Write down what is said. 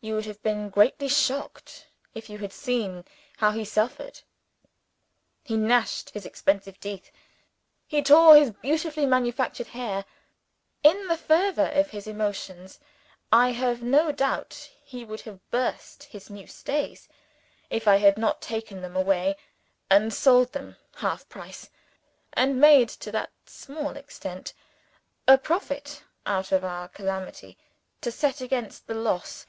You would have been greatly shocked, if you had seen how he suffered. He gnashed his expensive teeth; he tore his beautifully manufactured hair. In the fervour of his emotions, I have no doubt he would have burst his new stays if I had not taken them away, and sold them half price, and made (to that small extent) a profit out of our calamity to set against the loss.